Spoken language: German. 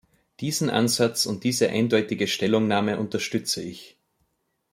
Diesen Ansatz und diese eindeutige Stellungnahme unterstütze ich.